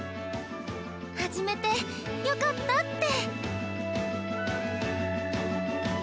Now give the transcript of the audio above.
始めてよかったって！